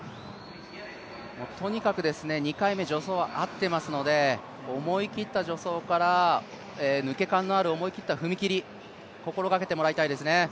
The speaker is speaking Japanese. とにかく２回目助走は合ってますので、思い切った助走から抜け感のある思い切った踏み切り心掛けてもらいたいですね。